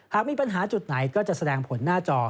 หากมีปัญหาจุดไหนก็จะแสดงผลหน้าจอ